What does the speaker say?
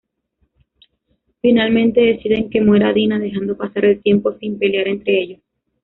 Finalmente, deciden que muera Dina, dejando pasar el tiempo, sin pelear entre ellos.